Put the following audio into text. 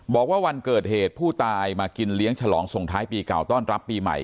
บอกว่าวันเกิดเหตุผู้ตายมากินเลี้ยงฉลองส่งท้ายปีเก่าต้อนรับปีใหม่